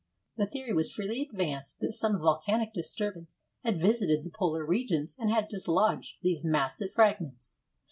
The theory was freely advanced that some volcanic disturbance had visited the polar regions and had dislodged these massive fragments.